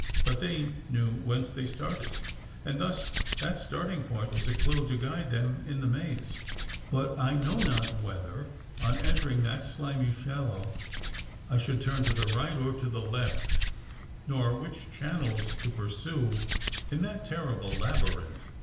But they knew whence they started; and thus that starting post was a clue to guide them in the maze. But I know not whether, on entering that slimy shallow, I should turn to the right or to the left,—nor which channels to pursue in that terrible labyrinth!"